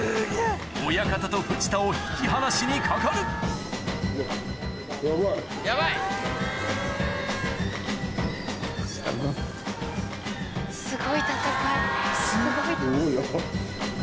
親方と藤田を引き離しにかかるすごい戦い。